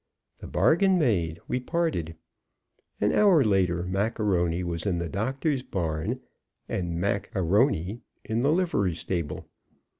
The bargain made, we parted. An hour later Macaroni was in the doctor's barn, and Mac A'Rony in the livery stable.